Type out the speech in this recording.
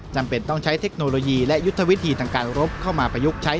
จำเป็นต้องใช้เทคโนโลยีและยุทธวิธีทางการรบเข้ามาประยุกต์ใช้